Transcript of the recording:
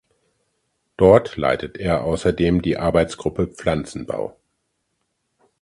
Dort leitet er außerdem die Arbeitsgruppe Pflanzenbau.